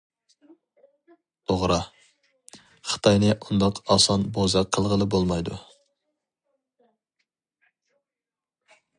توغرا، خىتاينى ئۇنداق ئاسان بوزەك قىلغىلى بولمايدۇ.